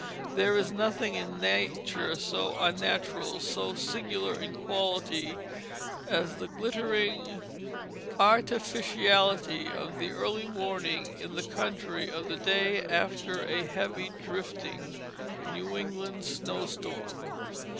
There is nothing in nature so unnatural, so singular in quality, as the glittering artificiality of the early morning in the country the day after a heavy, drifting, New England snowstorm.